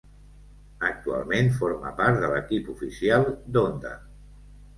Actualment forma part de l'equip oficial d'Honda.